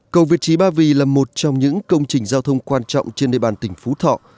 cầu việt trí ba vì là một trong những công trình giao thông quan trọng trên địa bàn tỉnh phú thọ